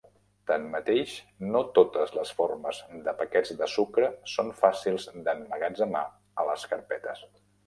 Tanmateix, no totes les formes de paquets de sucre són fàcils d'emmagatzemar a les carpetes.